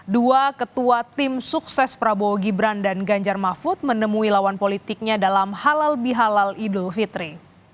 dua ketua tim sukses prabowo gibran dan ganjar mahfud menemui lawan politiknya dalam halal bihalal idul fitri